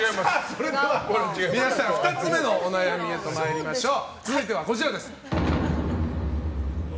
それでは皆さん２つ目のお悩みへと参りましょう。